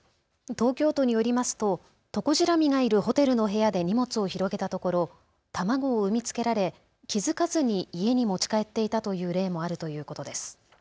東京都によりますとトコジラミがいるホテルの部屋で荷物を広げたところ卵を産み付けられ気付かずに家に持ち帰っていたという例もあるということです。